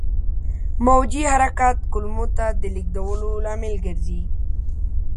موجي حرکات کولمو ته د لېږدولو لامل ګرځي.